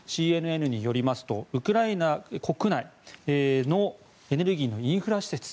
ＣＮＮによりますとウクライナ国内のエネルギーのインフラ施設